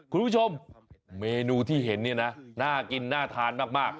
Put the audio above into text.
คุณผู้ชมเมนูที่เห็นเนี่ยนะน่ากินน่าทานมาก